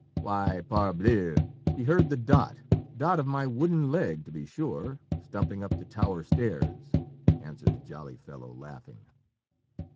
"Why parbleu! he heard the dot, dot of my wooden leg, to be sure, stumping up the tower stairs," answered the jolly fellow, laughing.